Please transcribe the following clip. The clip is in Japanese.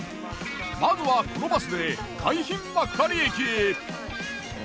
まずはこのバスで海浜幕張駅へ。